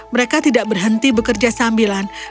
mereka tidak berhenti bekerja sambilan